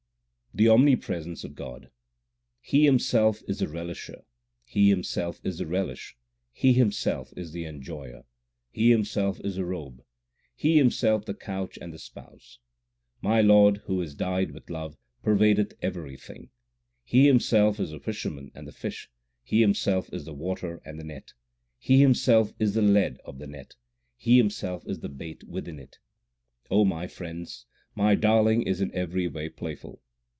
The omnipresence of God : He Himself is the Relisher ; He Himself is the relish ; He Himself is the Enjoyer ; He Himself is the robe ; He Himself the couch and the Spouse My Lord, who is dyed with love, pervadeth everything He Himself is the fisherman and the fish ; He Himself is the water and the net. He Himself is the lead of the net ; He Himself is the bait within it. my friends, my Darling is in every way playful.